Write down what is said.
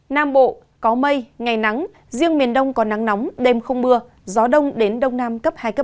nam bộ có mây ngày nắng riêng miền đông có nắng nóng đêm không mưa gió đông đến đông nam cấp hai cấp